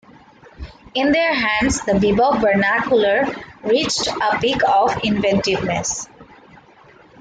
In their hands the bebop vernacular reached a peak of inventiveness.